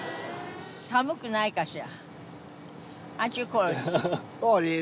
寒くないかしら？